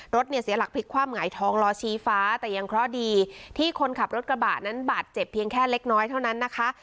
รถเนี่ยเสียหลักพลิกความหงายท้องล้อชี้ฟ้าแต่ยังเคราะห์ดีที่คนขับรถกระบะนั้นบาดเจ็บเพียงแค่เล็กน้อยเท่านั้นนะคะ